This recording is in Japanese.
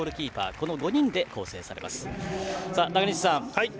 この５人で構成されます。